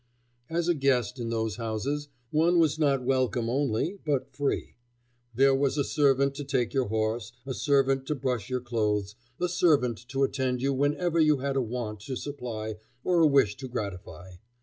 As a guest in those houses one was not welcome only, but free. There was a servant to take your horse, a servant to brush your clothes, a servant to attend you whenever you had a want to supply or a wish to gratify.